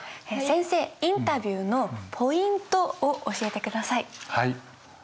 先生インタビューのポイントを教えて下さい。